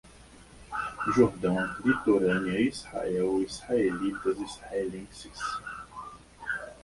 Jordão, litorânea, Israel, israelitas, israelenses